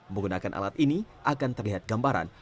menggunakan alat ini akan terlihat gambaran